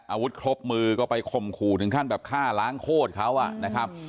อาวุธครบมือก็ไปข่มขู่ถึงขั้นแบบฆ่าล้างโคตรเขานะครับ